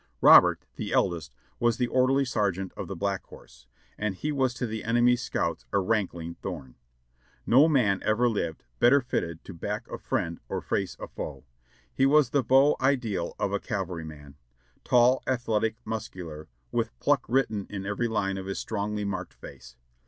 Robert, the eldest, was the orderly sergeant of the Black Horse, and he was to the enemy's scouts a rankling thorn. No man ever lived, better fitted to back a friend or face a foe ; he was the beau ideal of a cavalryman ; tall, athletic, mus cular, w^ith pluck written in every line of his strongly marked face.